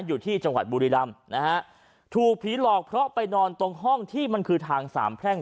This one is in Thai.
อยู่ที่จังหวัดบุรีรำนะฮะถูกผีหลอกเพราะไปนอนตรงห้องที่มันคือทางสามแพร่ง